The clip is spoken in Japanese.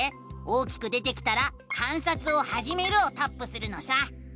大きく出てきたら「観察をはじめる」をタップするのさ！